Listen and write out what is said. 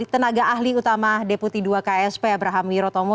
tenaga ahli utama deputi dua ksp abraham wirotomo